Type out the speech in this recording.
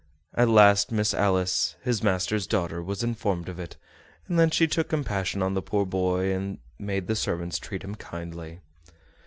At last Miss Alice, his master's daughter, was informed of it, and then she took compassion on the poor boy, and made the servants treat him kindly.